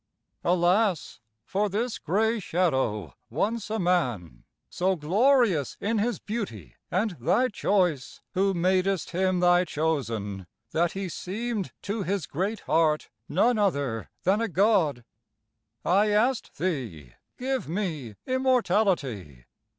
Alas! for this gray shadow, once a man So glorious in his beauty and thy choice, Who madest him thy chosen, that he seem'd To his great heart none other than a God! I ask'd thee, 'Give me immortality.'